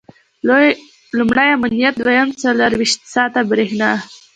لومړی امنیت او دویم څلرویشت ساعته برېښنا.